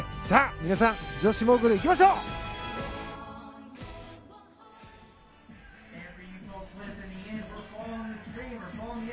さあ、皆さん女子モーグルいきましょう！